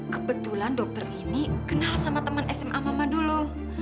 kebetulan dokter ini kenal sama teman sma mama dulu